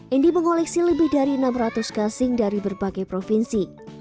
indi mengoleksi lebih dari enam ratus gasing dari berbagai provinsi